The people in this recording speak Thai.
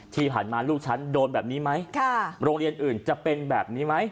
ที่ผ่านมาลูกฉันโดนแบบนี้ไหมโรงเรียนอื่นจะเป็นแบบนี้ไหม